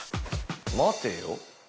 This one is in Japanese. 待てよ。